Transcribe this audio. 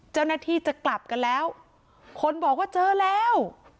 เจ้าหน้าที่จะกลับกันแล้วคนบอกว่าเจอแล้ว